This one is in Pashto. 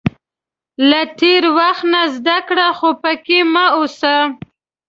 • له تېر وخت نه زده کړه، خو پکې مه اوسه.